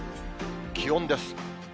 気温です。